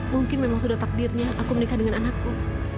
mungkin memang sudah takdirnya aku menikah dengan anakku